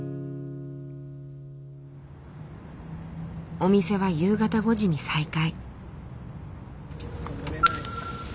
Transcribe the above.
お店は夕方５時に再開。